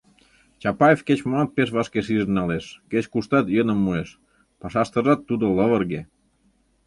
Чапаев кеч-момат пеш вашке шижын налеш, кеч-куштат йӧным муэш, пашаштыжат тудо лывырге.